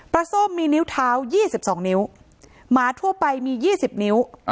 ส้มมีนิ้วเท้า๒๒นิ้วหมาทั่วไปมี๒๐นิ้ว